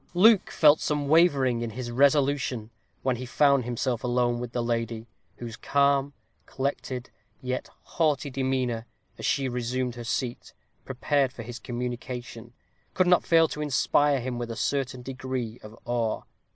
Luke felt some wavering in his resolution when he found himself alone with the lady, whose calm, collected, yet haughty demeanor, as she resumed her seat, prepared for his communication, could not fail to inspire him with a certain degree of awe.